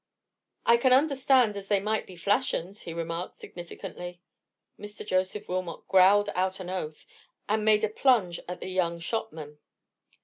"I can understand as they might be flash uns," he remarked, significantly. Mr. Joseph Wilmot growled out an oath, and made a plunge at the young shopman.